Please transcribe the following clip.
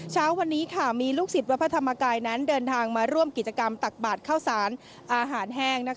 เช้าวันนี้มีลูกศนวาภาธรรมกายเดินทางมาร่วมกิจกรรมตักบาทเข้าอาหารแห้ง